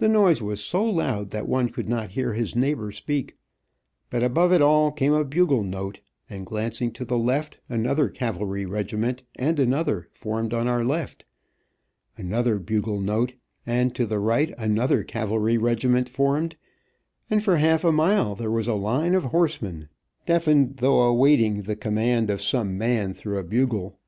The noise was so loud that one could not hear his neighbor speak; but above it all came a buggle note, and glancing to the left, another cavalry regiment, and another, formed on our left. Another bugle note, and to the right another cavalry regiment formed, and for half a mile there was a line of horsemen, deafened by the waiting the command of some man, through a bugle.